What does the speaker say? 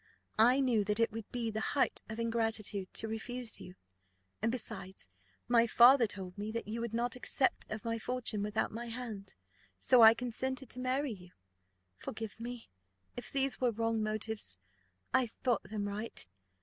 I knew that it would be the height of ingratitude to refuse you; and besides, my father told me that you would not accept of my fortune without my hand, so I consented to marry you: forgive me, if these were wrong motives I thought them right.